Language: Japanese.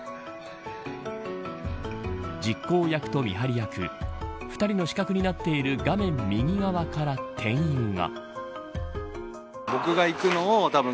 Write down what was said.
実行役と見張り役２人の死角になっている画面右側から店員が。